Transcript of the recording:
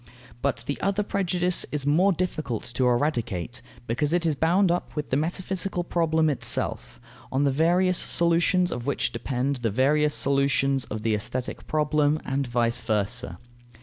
But the other prejudice is more difficult to eradicate, because it is bound up with the metaphysical problem itself, on the various solutions of which depend the various solutions of the aesthetic problem, and vice versa.